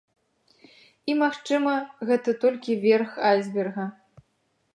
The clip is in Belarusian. І, магчыма, гэта толькі верх айсберга.